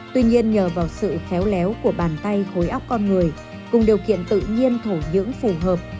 tuy nhiên nhờ vào sự khéo léo của bàn tay khối óc con người cùng điều kiện tự nhiên thổ nhưỡng phù hợp